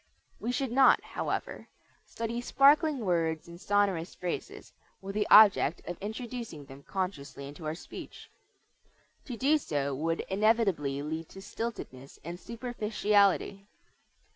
We should not, however, study "sparkling words and sonorous phrases" with the object of introducing them consciously into our speech. To do so would inevitably lead to stiltedness and superficiality.